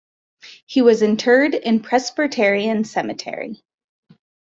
He was interred in Presbyterian Cemetery.